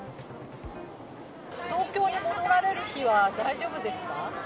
東京に戻られる日は大丈夫ですか？